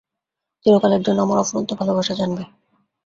চিরকালের জন্য আমার অফুরন্ত ভালবাসা জানবে।